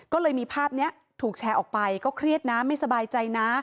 ก็เลยมีภาพนี้ถูกแชร์ออกไปก็เครียดนะไม่สบายใจนะ